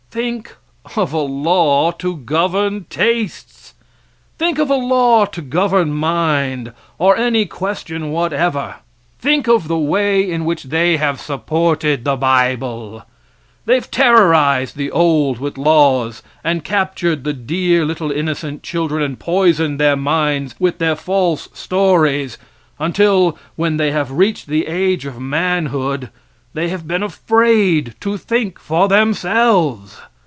Think of a law to govern tastes! Think of a law to govern mind, or any question whatever! Think of the way in which they have supported the bible! They've terrorized the old with laws, and captured the dear, little innocent children and poisoned their minds with their false stories until, when they have reached the age of manhood, they have been afraid to think for themselves.